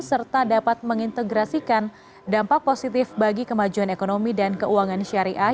serta dapat mengintegrasikan dampak positif bagi kemajuan ekonomi dan keuangan syariah